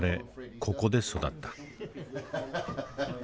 ここで育った。